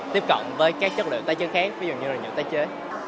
tiếp cận với các chất liệu tái chế khác ví dụ như là những tái chế